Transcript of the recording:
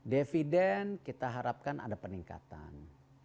dividen kita harapkan ada peningkatan